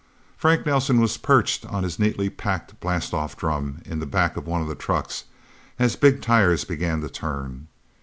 Frank Nelsen was perched on his neatly packed blastoff drum in the back of one of the trucks, as big tires began to turn.